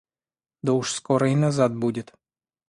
Да уж скоро и назад будет.